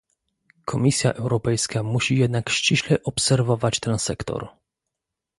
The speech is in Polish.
Komisja Europejska musi jednak ściśle obserwować ten sektor